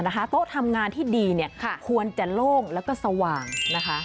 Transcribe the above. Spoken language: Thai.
โต๊ะทำงานที่ดีเนี่ยควรจะโล่งแล้วก็สว่างนะคะ